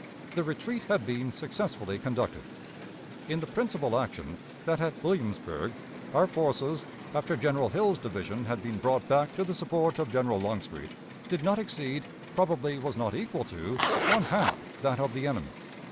The retreat had been successfully conducted. In the principal action, that at Williamsburg, our forces, after General Hill's division had been brought back to the support of General Longstreet, did not exceed, probably was not equal to, one half that of the enemy.